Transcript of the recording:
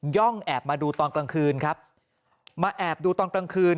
่องแอบมาดูตอนกลางคืนครับมาแอบดูตอนกลางคืน